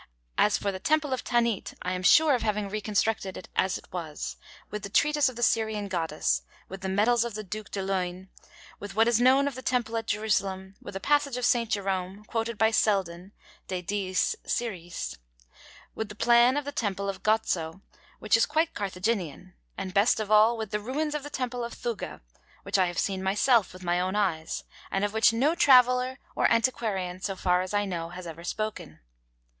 'As for the temple of Tanit, I am sure of having reconstructed it as it was, with the treatise of the Syrian Goddess, with the medals of the Duc de Luynes, with what is known of the temple at Jerusalem, with a passage of St. Jerome, quoted by Seldon (De Diis Syriis), with the plan of the temple of Gozzo, which is quite Carthaginian, and best of all, with the ruins of the temple of Thugga, which I have seen myself, with my own eyes, and of which no traveller or antiquarian, so far as I know, has ever spoken.'